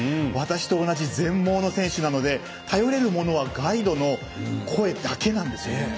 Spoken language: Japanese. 私と同じ全盲の選手なので頼れるものはガイドの声だけなんですよ。